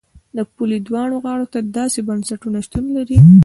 د پولې دواړو غاړو ته داسې بنسټونه شتون لري.